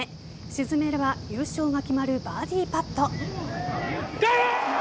沈めれば優勝が決まるバーディーパット。